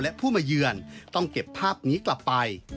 และผู้มาเยือนต้องเก็บภาพนี้กลับไป